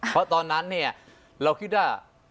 เพราะตอนนั้นเราคิดว่า